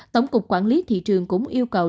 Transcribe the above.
tổng cục quản lý thị trường cũng yêu cầu